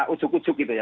ujuk ujuk gitu ya